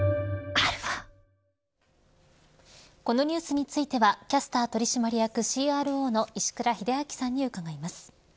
このニュースについてはキャスター取締役ＣＲＯの石倉秀明さんに伺います。